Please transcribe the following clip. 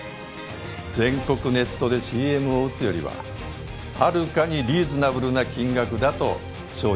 全国ネットでＣＭを打つよりははるかにリーズナブルな金額だと承知しておりますが。